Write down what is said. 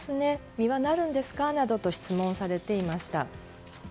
実はなるんですか？などと質問されていました。